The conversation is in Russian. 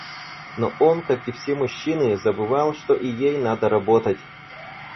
Но он, как и все мужчины, забывал, что и ей надо работать.